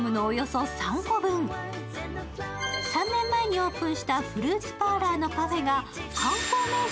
３年前にオープンしたフルーツパーラーのパフェが観光名所